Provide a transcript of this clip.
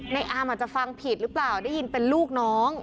อามอาจจะฟังผิดหรือเปล่าได้ยินเป็นลูกน้อง